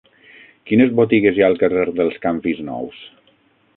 Quines botigues hi ha al carrer dels Canvis Nous?